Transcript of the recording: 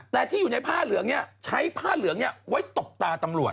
แต่ที่อยู่ในผ้าเหลืองใช้ผ้าเหลืองไว้ตบตาตำรวจ